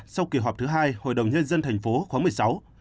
sau kỳ họp thứ hai hội đồng nhân dân thành phố khóa một mươi sáu